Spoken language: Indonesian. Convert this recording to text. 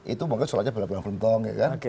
itu mungkin soalnya belakang belakang bentong ya kan